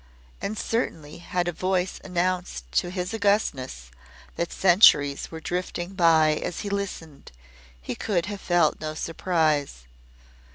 And certainly had a voice announced to His Augustness that centuries were drifting by as he listened, he could have felt no surprise.